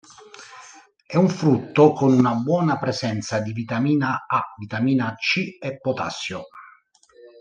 È un frutto con una buona presenza di vitamina A, vitamina C e potassio.